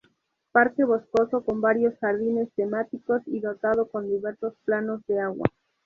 Parque boscoso con varios jardines temáticos y dotado con diversos planos de agua.